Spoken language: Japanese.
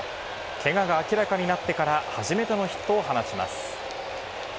けがが明らかになってから、初めてのヒットを放ちます。